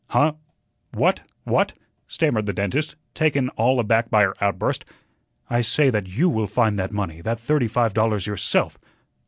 "Huh? What, what?" stammered the dentist, taken all aback by her outburst. "I say that you will find that money, that thirty five dollars, yourself."